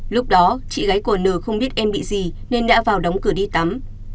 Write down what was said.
lúc đó chị gái của n không biết em bị gì nên đã vào đóng cửa đi tắm